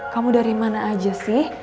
kamu dari mana aja sih